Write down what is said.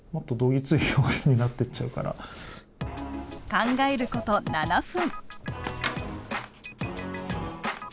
考えること７分。